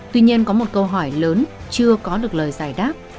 tuy nhiên có một câu hỏi lớn chưa có được lời giải đáp